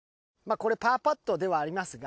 これパーパットではありますが。